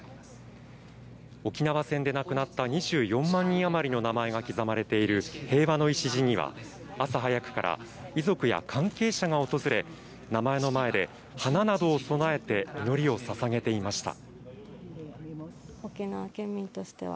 沖縄戦で亡くなった２４万人あまりの名前が刻まれている平和の礎には朝早くから遺族や関係者が訪れ名前の前で花などを供えて祈りを捧げていました。